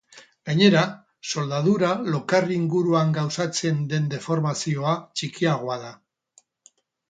Gainera, soldadura lokarri inguruan gauzatzen den deformazioa txikiagoa da.